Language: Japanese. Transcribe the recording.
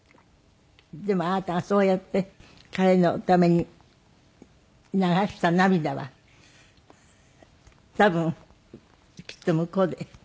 でもあなたがそうやって彼のために流した涙は多分きっと向こうで。